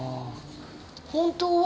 本当は。